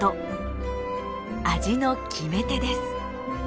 味の決め手です。